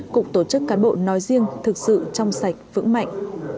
cục tổ chức cán bộ nói riêng thực sự trong sạch vững mạnh